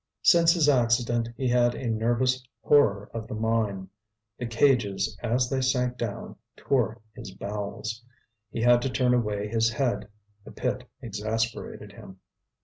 Since his accident he had a nervous horror of the mine. The cages, as they sank down, tore his bowels. He had to turn away his head; the pit exasperated him.